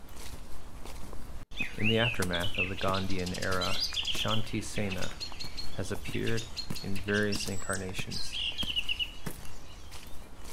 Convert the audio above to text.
In the aftermath of the Gandhian era, Shanti Sena has appeared in various incarnations.